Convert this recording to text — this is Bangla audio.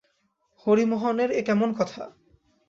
হরিমোহনের এ কেমন কথা!